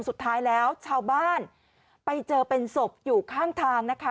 สุดท้ายแล้วชาวบ้านไปเจอเป็นศพอยู่ข้างทางนะคะ